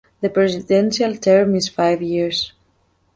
The presidential term is five years.